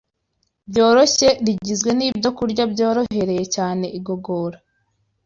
byoroshye, rigizwe n’ibyokurya byoroheye cyane igogora